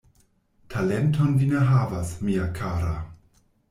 Talenton vi ne havas, mia kara!